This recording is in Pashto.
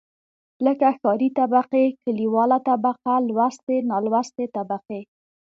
لکه ښاري طبقې، کليواله طبقه لوستې، نالوستې طبقې.